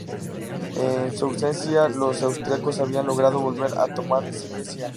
En su ausencia, los austriacos habían logrado volver a tomar Silesia.